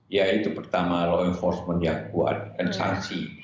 ya itu pertama law enforcement yang kuat dan sanksi